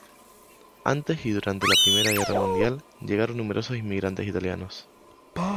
Antes y durante la Primera guerra mundial llegaron numerosos inmigrantes italianos.